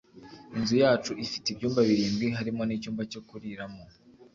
inzu yacu ifite ibyumba birindwi harimo nicyumba cyo kuriramo